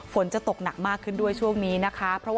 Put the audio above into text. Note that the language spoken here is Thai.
ฝนจะตกหนักมากขึ้นด้วยช่วงนี้นะคะ